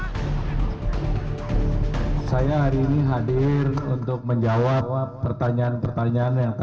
pemeriksaan air langga diperiksa sebagai saksi untuk tiga perusahaan masing masing wilmar group